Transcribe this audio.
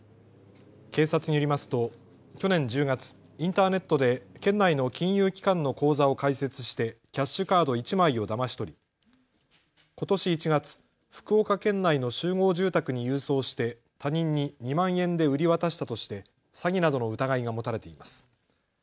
警察によりますと去年１０月、インターネットで県内の金融機関の口座を開設してキャッシュカード１枚をだまし取りことし１月、福岡県内の集合住宅に郵送して他人に２万円で売り渡したとして詐欺などの疑いが持たれています。